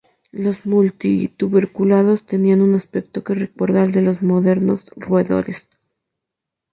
Los multituberculados tenían un aspecto que recuerda al de los modernos roedores.